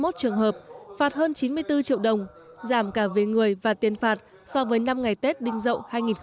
trường hợp phạt hơn chín mươi bốn triệu đồng giảm cả về người và tiền phạt so với năm ngày tết đinh dậu hai nghìn một mươi bảy